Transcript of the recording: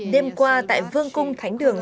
đêm qua tại vương cung thánh đường